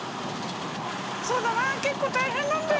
そうだな結構大変なんだよ」